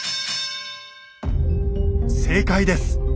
正解です！